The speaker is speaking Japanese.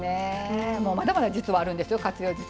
まだまだ実はあるんですよ活用術。